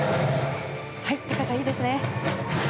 高さ、いいですね。